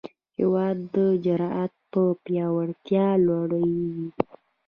هېواد د جرئت په پیاوړتیا لویېږي.